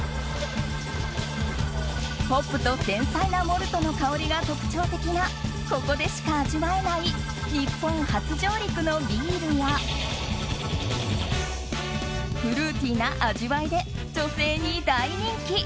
ホップと繊細なモルトの香りが特徴的なここでしか味わえない日本初上陸のビールやフルーティーな味わいで女性に大人気！